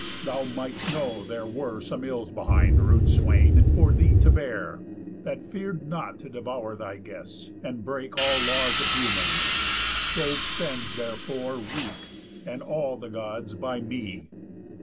Thou mightst know there were Some ills behind, rude swain, for thee to bear, That fear'd not to devour thy guests, and break All laws of humans. Jove sends therefore wreak, And all the Gods, by me.